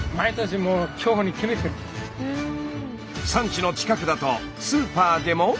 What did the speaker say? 産地の近くだとスーパーでも。